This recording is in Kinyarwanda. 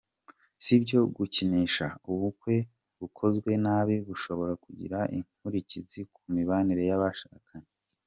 Si ibyo gukinisha, ubukwe bukozwe nabi bushobora kugira inkurikizi ku mibanire y’abashakanye.